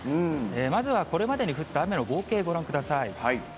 まずはこれまでに降った雨の合計ご覧ください。